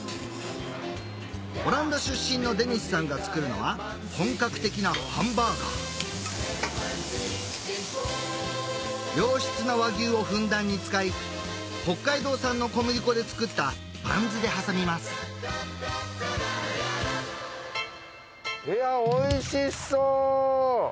オランダ出身のデニスさんが作るのは本格的なハンバーガー良質な和牛をふんだんに使い北海道産の小麦粉で作ったバンズで挟みますいやおいしそう。